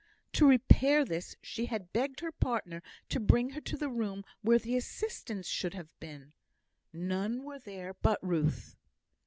To repair this, she had begged her partner to bring her to the room where the assistants should have been. None were there but Ruth.